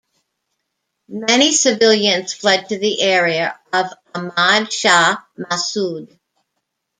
Many civilians fled to the area of Ahmad Shah Massoud.